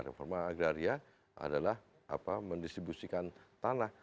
reforma agraria adalah mendistribusikan tanah